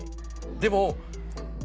でも。